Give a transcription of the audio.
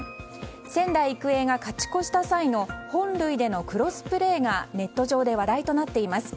仙台育英が勝ち越した際の本塁でのクロスプレーがネット上で話題となっています。